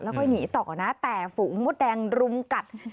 ค่อยหนีต่อนะแต่ฝูงมดแดงรุมกัด